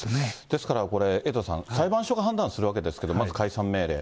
ですからこれ、エイトさん、裁判所が判断するわけですけれども、まず解散命令。